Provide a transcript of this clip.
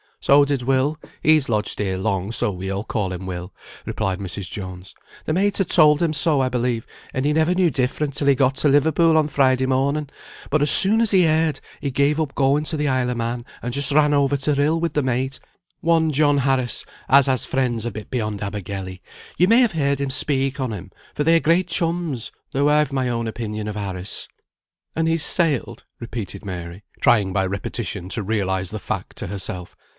"So did Will (he's lodged here long, so we all call him 'Will')," replied Mrs. Jones. "The mate had told him so, I believe, and he never knew different till he got to Liverpool on Friday morning; but as soon as he heard, he gave up going to the Isle o' Man, and just ran over to Rhyl with the mate, one John Harris, as has friends a bit beyond Abergele; you may have heard him speak on him, for they are great chums, though I've my own opinion of Harris." "And he's sailed?" repeated Mary, trying by repetition to realise the fact to herself.